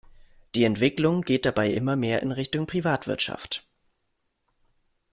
Die Entwicklung geht dabei immer mehr in Richtung Privatwirtschaft.